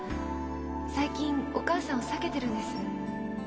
最近お母さんを避けてるんです。